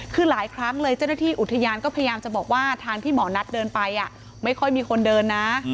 คือหลายครั้งเลยเจ้าหน้าที่อุทยานก็พยายามจะบอกว่าทางที่หมอนัทเดินไปไม่ค่อยมีคนเดินนะ